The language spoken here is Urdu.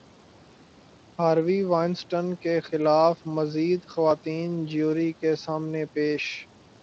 ہاروی وائنسٹن کے خلاف مزید خواتین جیوری کے سامنے پیش